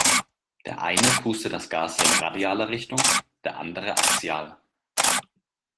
Der eine pustet das Gas in radialer Richtung, der andere axial.